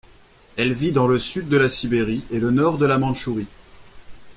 Elle vit dans le sud de la Sibérie et le nord de la Manchourie.